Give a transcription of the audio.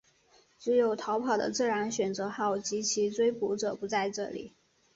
只有逃跑的自然选择号及其追捕者不在这里。